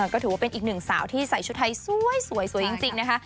ก็ถือว่าเป็นอีกหนึ่งสาวที่ใส่ชุดไทยสวยจริงนะคะ